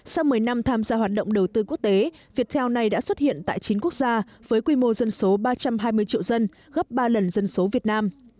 sau một mươi năm tham gia hoạt động đầu tư quốc tế viettel này đã xuất hiện tại chín quốc gia với quy mô dân số ba trăm hai mươi triệu dân gấp ba lần dân số việt nam